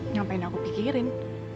ngapain aku pikirin